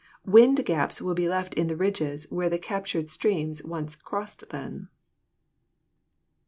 PHYSIOGRAPHY 189 Wind gaps will be left in the ridges where the captured streams once crossed them.